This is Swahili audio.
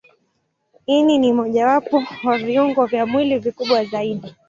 Ini ni mojawapo wa viungo vya mwili vikubwa zaidi.